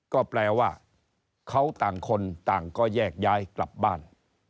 ก็แปลว่าเขาต่างคนต่างก็แยกย้ายกลับบ้าน